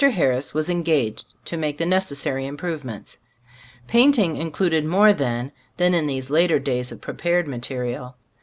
Harris was engaged to make the necessary improvements. Paint ing included more then than in these later days of prepared material.